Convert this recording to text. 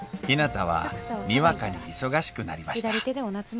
ひなたはにわかに忙しくなりました